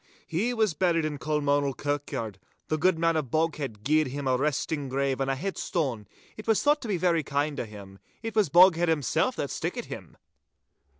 He was buried in Colmonel kirkyaird. The good man of Boghead gied him a resting grave and a headstone. It was thought to be very kind o' him. It was Boghead himsel' that stickit him.